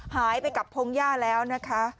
หายไปกับพงหญ้าแล้วนะคะ